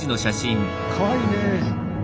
かわいいねえ。